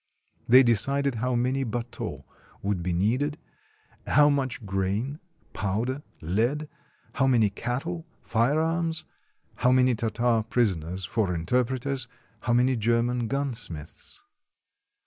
They decided how many bateaux would be needed; how much grain, powder, lead; how many cattle, fire arms; how many Tartar prisoners for interpreters; how many German gunsmiths.